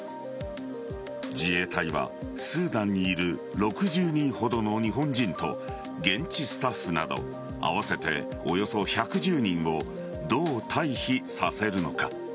自衛隊はスーダンにいる６０人ほどの日本人と現地スタッフなど合わせておよそ１１０人をどう退避させるのか。